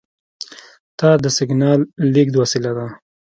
تار د سیګنال لېږد وسیله ده.